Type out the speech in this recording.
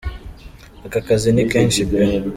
Aka kazi ni kenshi pe!